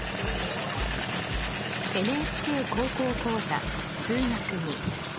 「ＮＨＫ高校講座数学Ⅱ」。